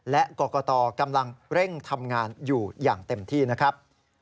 และกรกตกำลังเร่งทำงานอยู่อย่างเต็มที่นะครับ